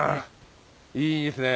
いいですね。